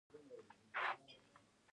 کله چې تاسو په سیاستونو کې رول ونلرئ.